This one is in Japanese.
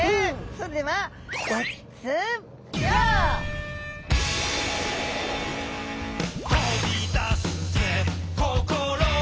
それでは「飛び出すぜ心はどこへ」